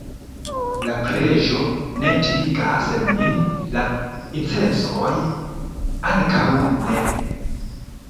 la preĝo ne timigas min, la incensoj ankaŭ ne.